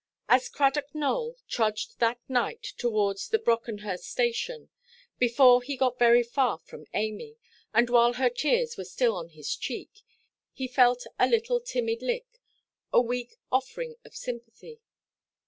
As Cradock Nowell trudged that night towards the Brockenhurst Station, before he got very far from Amy, and while her tears were still on his cheek, he felt a little timid lick, a weak offering of sympathy.